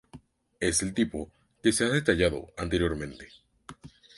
Es el tipo que se ha detallado anteriormente.